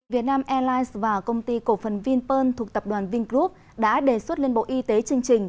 việt nam airlines và công ty cổ phần vinpearl thuộc tập đoàn vingroup đã đề xuất lên bộ y tế chương trình